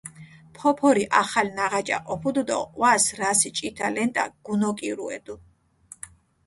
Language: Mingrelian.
ფოფორი ახალ ნაღაჭა ჸოფუდჷ დო ჸვას რასი ჭითა ლენტა გუნოკირუედჷ.